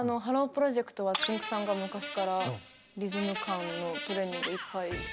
プロジェクトはつんく♂さんが昔からリズム感のトレーニングいっぱい。